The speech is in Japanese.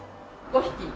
５匹。